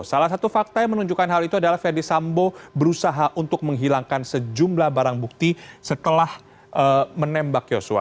salah satu fakta yang menunjukkan hal itu adalah ferdis sambo berusaha untuk menghilangkan sejumlah barang bukti setelah menembak yosua